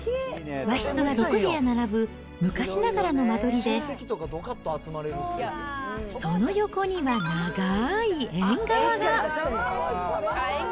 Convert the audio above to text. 和室が６部屋並ぶ昔ながらの間取りで、その横には長ーい縁側が。